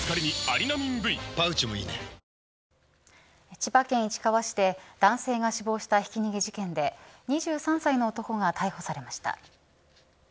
千葉県市川市で男性が死亡したひき逃げ事件で２３歳の男が逮捕されました。